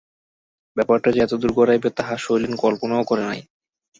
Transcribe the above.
ব্যাপারটা যে এতদূর গড়াইবে তাহা শৈলেন কল্পনাও করে নাই।